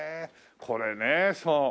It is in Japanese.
これねそう。